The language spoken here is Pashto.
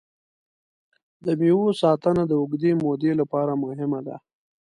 د مېوو ساتنه د اوږدې مودې لپاره مهمه ده.